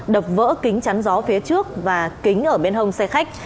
đập vỡ kính chắn gió phía trước và kính ở bên hông xe khách